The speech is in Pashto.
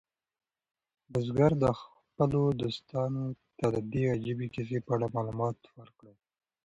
بزګر خپلو دوستانو ته د دې عجیبه کیسې په اړه معلومات ورکړل.